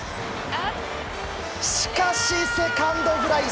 しかし、セカンドフライ。